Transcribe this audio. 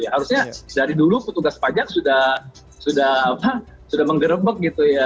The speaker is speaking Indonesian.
harusnya dari dulu petugas pajak sudah menggerebek